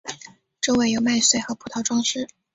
周围有麦穗和葡萄装饰。